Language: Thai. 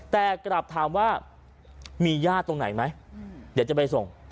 แต่กลับถามว่ามีญาติตรงไหนไหมเดี๋ยวจะไปส่ง